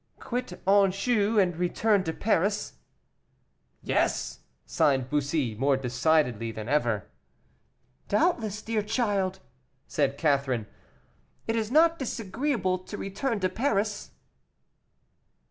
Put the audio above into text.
"Quit Anjou, and return to Paris?" "Yes!" signed Bussy, more decidedly than ever. "Doubtless, dear child," said Catherine, "it is not disagreeable to return to Paris."